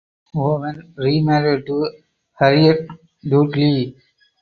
Owen remarried to Harriett Dudley.